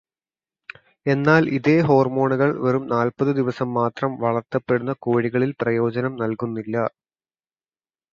എന്നാല്, ഇതേ ഹോർമോണുകൾ വെറും നാല്പതു ദിവസം മാത്രം വളര്ത്തപ്പെടുന്ന കോഴികളിൽ പ്രയോജനം നൽകുന്നില്ല.